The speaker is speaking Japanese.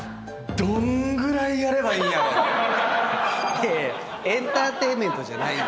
いやいやエンターテインメントじゃないんで。